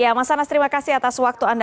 ya mas anas terima kasih atas waktu anda